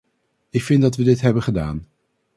Ik vind dat we dit hebben gedaan.